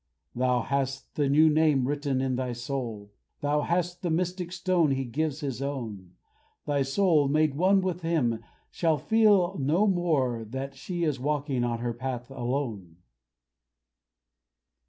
Thou hast the new name written in thy soul; Thou hast the mystic stone he gives his own. Thy soul, made one with him, shall feel no more That she is walking on her path alone.